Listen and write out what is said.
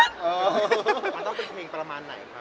มันต้องเป็นเพลงประมาณไหนครับ